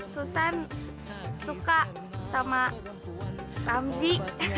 susan suka sama ramzi